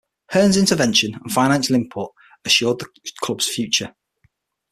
Hearn's intervention and financial input assured the club's future.